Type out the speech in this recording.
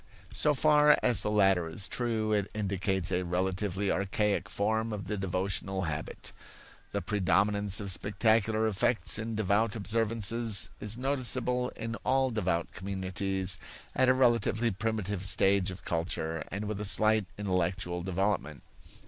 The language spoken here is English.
So far as the latter is true, it indicates a relatively archaic form of the devotional habit. The predominance of spectacular effects in devout observances is noticeable in all devout communities at a relatively primitive stage of culture and with a slight intellectual development.